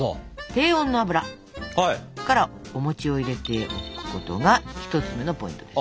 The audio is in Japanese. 低温の油からお餅を入れておくことが１つ目のポイントです。